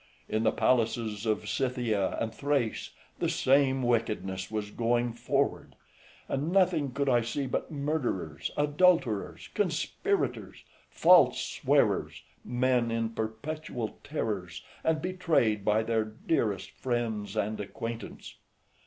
In the palaces of Scythia and Thrace the same wickedness was going forward; and nothing could I see but murderers, adulterers, conspirators, false swearers, men in perpetual terrors, and betrayed by their dearest friends and acquaintance.